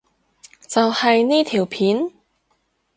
就係呢條片？